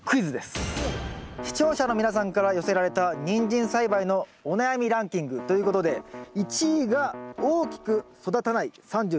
視聴者の皆さんから寄せられたニンジン栽培のお悩みランキングということで１位が「大きく育たない」３３％。